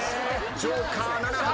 ジョーカー７８。